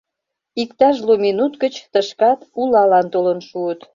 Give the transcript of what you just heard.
Иктаж лу минут гыч тышкат улалан толын шуыт.